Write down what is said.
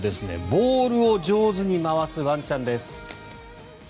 ボウルを上手に回すワンちゃんです。